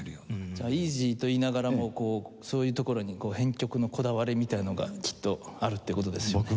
じゃあイージーと言いながらもそういうところに編曲のこだわりみたいなのがきっとあるって事ですよね。